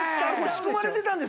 仕込まれてたんですか？